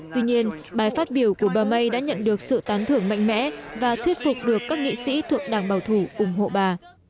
tuy nhiên bài phát biểu của bà may đã nhận được sự tán thưởng mạnh mẽ và thuyết phục được các nghị sĩ thuộc đảng bảo thủ ủng hộ bà